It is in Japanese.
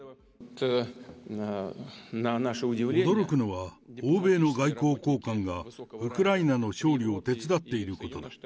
驚くのは、欧米の外交高官が、ウクライナの勝利を手伝っていることだ。